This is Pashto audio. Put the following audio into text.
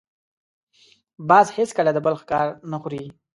باز هېڅکله د بل ښکار نه خوري